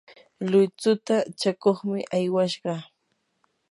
luychuta chakuqmi aywashqa.